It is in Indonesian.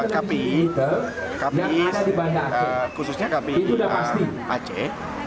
kpi khususnya kpi aceh